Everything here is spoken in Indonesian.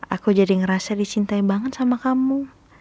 aku jadi ngerasa disintain banget sama kamu